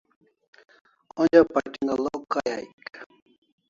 onja pating'alok kay aik